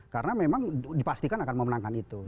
karena memang dipastikan akan memenangkan itu